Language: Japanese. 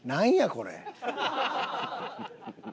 これ。